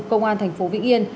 công an thành phố vĩnh yên